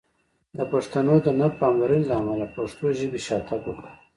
د پښتنو د نه پاملرنې له امله پښتو ژبې شاتګ وکړ!